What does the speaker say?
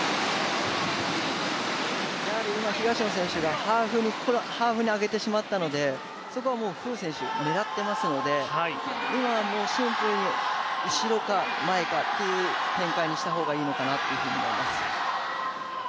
やはり東野選手がハーフに上げてしまったのでそこは馮選手が狙ってますので今、後ろか前かという展開にした方がいいのかなと思います。